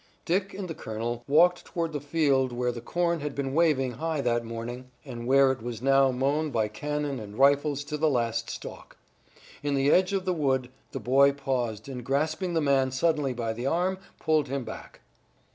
Dick and the colonel walked toward the field where the corn had been waving high that morning, and where it was now mown by cannon and rifles to the last stalk. In the edge of the wood the boy paused and grasping the man suddenly by the arm pulled him back.